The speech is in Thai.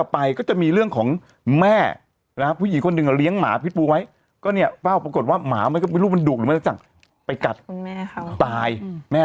ฟังแต่เสียงพี่พละก็คือลุ้นไปด้วยอ่ะ